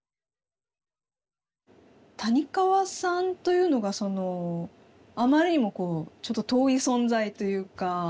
谷川さんというのがそのあまりにもちょっと遠い存在というか。